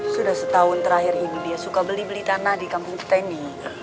sudah setahun terakhir ini dia suka beli beli tanah di kampung kita ini